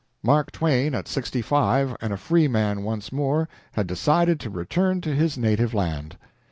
Mark Twain at sixty five and a free man once more had decided to return to his native land.